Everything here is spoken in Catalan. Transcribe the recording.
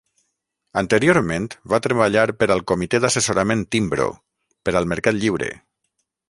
Anteriorment, va treballar per al comitè d"assessorament Timbro, per al mercat lliure.